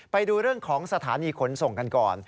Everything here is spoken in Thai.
ไปดูเรื่องของสถานีขนส่งกันก่อน